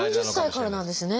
４０歳からなんですね。